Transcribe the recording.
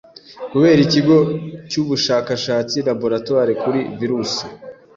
kubera ikigo cy'ubushakashatsi laboratoire kuri virusi